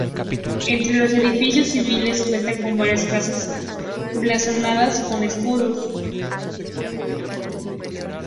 Entre los edificios civiles cuenta con varias casas blasonadas con escudos.